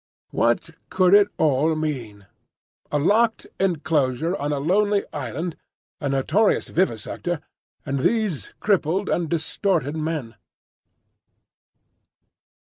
What could it all mean? A locked enclosure on a lonely island, a notorious vivisector, and these crippled and distorted men?